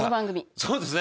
そうですね。